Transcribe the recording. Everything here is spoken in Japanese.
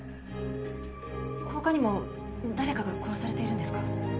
他にも誰かが殺されているんですか？